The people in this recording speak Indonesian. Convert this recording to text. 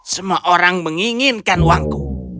semua orang menginginkan uangku